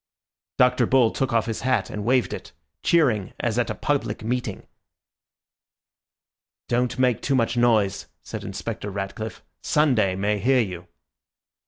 Dr. Bull took off his hat and waved it, cheering as at a public meeting. "Don't make too much noise," said Inspector Ratcliffe, "Sunday may hear you."